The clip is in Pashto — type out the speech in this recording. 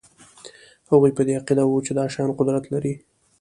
هغوی په دې عقیده وو چې دا شیان قدرت لري